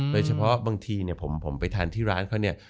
โดยเฉพาะบางทีผมไปทานที่ร้านเขาเนี่ย